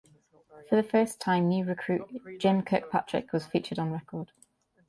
For the first time new recruit Jim Kirkpatrick was featured on record.